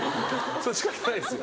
それ仕方ないですよ。